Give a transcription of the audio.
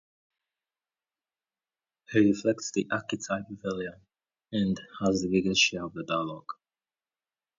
He reflects the archetypal villain, and has the biggest share of the dialogue.